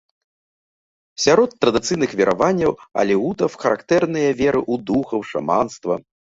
Сярод традыцыйных вераванняў алеутаў характэрныя вера ў духаў, шаманства.